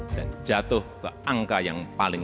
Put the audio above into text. dan jatuh ke angka yang paling rendah